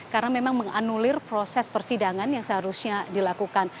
karena memang menganulir proses persidangan yang seharusnya dilakukan